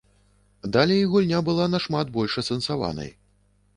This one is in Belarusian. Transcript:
Далей гульня была нашмат больш асэнсаванай.